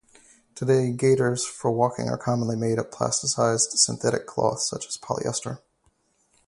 Today, gaiters for walking are commonly made of plasticized synthetic cloth such as polyester.